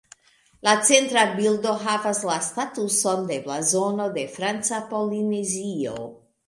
La centra bildo havas la statuson de blazono de Franca Polinezio.